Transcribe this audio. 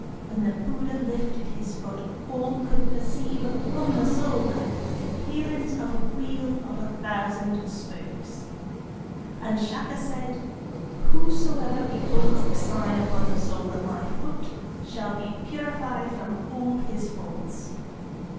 When the Buddha lifted up his foot all could perceive upon the sole of it the appearance of a wheel of a thousand spokes…. And Shaka said: 'Whosoever beholds the sign upon the sole of my foot shall be purified from all his faults.